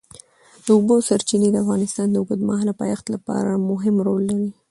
د اوبو سرچینې د افغانستان د اوږدمهاله پایښت لپاره مهم رول لري.